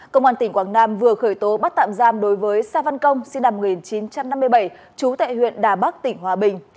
công an tỉnh quảng nam vừa khởi tố bắt tạm giam đối với sa văn công sinh năm một nghìn chín trăm năm mươi bảy trú tại huyện đà bắc tỉnh hòa bình